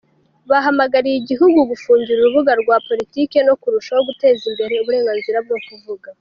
Bahamagariye igihugu gufungura urubuga rwa politiki no kurushaho guteza imbere uburenganzira bwo kuvuga.